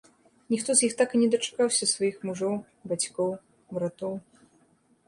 Ніхто з іх так і не дачакаўся сваіх мужоў, бацькоў, братоў.